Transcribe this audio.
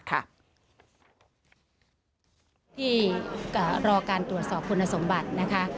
ที่รอการตรวจสอบคุณสมบัตินะคะ